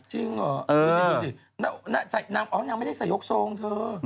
จริงเหรอดูสิดูสินางไม่ได้ใส่ยกโทรงเถอะ